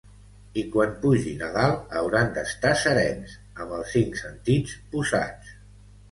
I quan pugin a dalt hauran d’estar serens, amb els cinc sentits posats.